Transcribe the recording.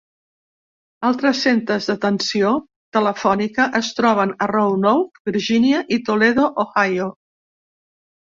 Altres centres d'atenció telefònica es troben a Roanoke, Virgínia i Toledo, Ohio.